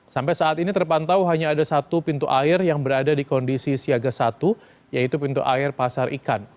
sampai saat ini terpantau hanya ada satu pintu air yang berada di kondisi siaga satu yaitu pintu air pasar ikan